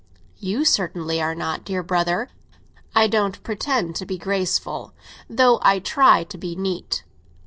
"You certainly are not, dear brother." "I don't pretend to be graceful, though I try to be neat.